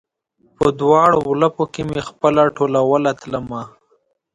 په دواړ ولپو کې مې خپله ټولوله تلمه